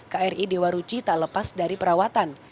kri dewa ruci tak lepas dari perawatan